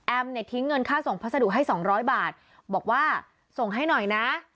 เนี่ยทิ้งเงินค่าส่งพัสดุให้สองร้อยบาทบอกว่าส่งให้หน่อยนะ